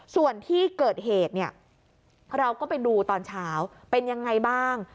ส่วนที่เกิดเหตุเนี่ยเราก็ไปดูตอนเช้าเป็นยังไงบ้าง